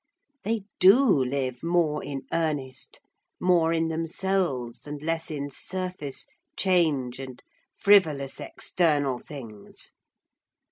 They do live more in earnest, more in themselves, and less in surface, change, and frivolous external things.